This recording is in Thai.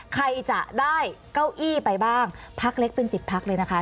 ใครจะได้เก้าอี้ไปบ้างพักเล็กเป็น๑๐พักเลยนะคะ